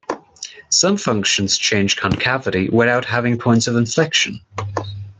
Some functions change concavity without having points of inflection.